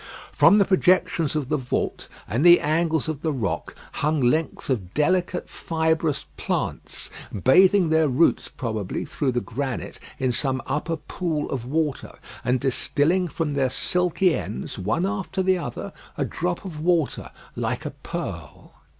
From the projections of the vault, and the angles of the rock, hung lengths of delicate fibrous plants, bathing their roots probably through the granite in some upper pool of water, and distilling from their silky ends one after the other, a drop of water like a pearl.